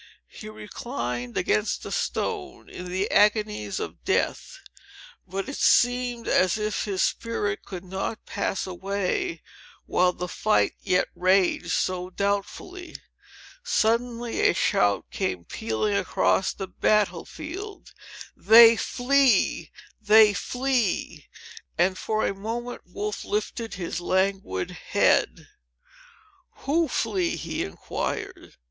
He reclined against a stone, in the agonies of death; but it seemed as if his spirit could not pass away, while the fight yet raged so doubtfully. Suddenly, a shout came pealing across the battle field—"They flee! they flee!" and, for a moment, Wolfe lifted his languid head. "Who flee?" he inquired.